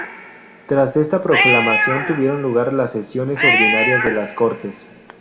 Tras esta proclamación tuvieron lugar las sesiones ordinarias de las Cortes.